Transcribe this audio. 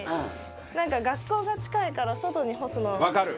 なんか学校が近いから外に干すのは。わかる！